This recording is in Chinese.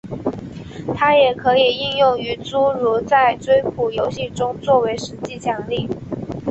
它也可以应用于诸如在追捕游戏中做为实际奖励。